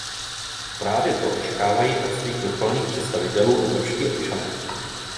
Právě to očekávají od svých vrcholných představitelů evropští občané.